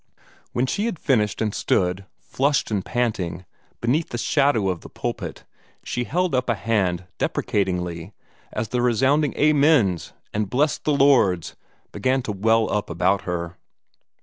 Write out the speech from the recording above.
When she had finished, and stood, flushed and panting, beneath the shadow of the pulpit, she held up a hand deprecatingly as the resounding "Amens!" and "Bless the Lords!" began to well up about her.